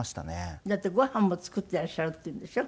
だってごはんも作ってらっしゃるっていうんでしょ？